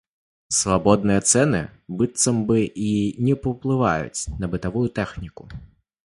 Свабодныя цэны быццам бы і не паўплываюць на бытавую тэхніку.